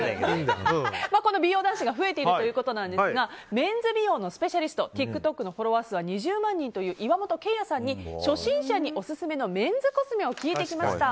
美容男子が増えているということですがメンズ美容のスペシャリストＴｉｋＴｏｋのフォロワー数は２０万人という岩本桂弥さんに初心者にオススメのメンズコスメを聞いてきました。